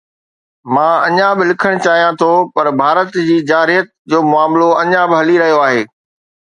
مان اڃا به لکڻ چاهيان ٿو، پر ڀارت جي جارحيت جو معاملو اڃا به هلي رهيو آهي.